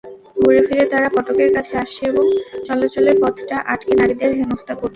ঘুরেফিরে তারা ফটকের কাছে আসছে এবং চলাচলের পথটা আটকে নারীদের হেনস্তা করছে।